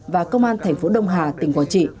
và công an thành phố đông hà tỉnh quảng trị